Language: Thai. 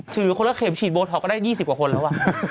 คนละเข็มฉีดโบท็อกก็ได้๒๐กว่าคนแล้ว